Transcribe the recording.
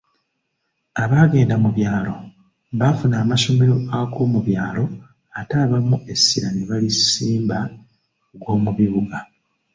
"Abaagenda mu byalo, baafuna amasomero ag’omubyalo ate abamu essira ne balisimba ku g’omubibuga."